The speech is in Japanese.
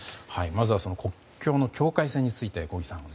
まずは、国境の境界線について小木さん。